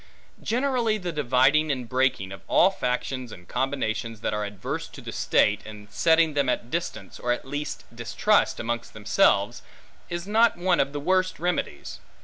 Generally, the dividing and breaking, of all factions and combinations that are adverse to the state, and setting them at distance, or at least distrust, amongst themselves, is not one of the worst remedies.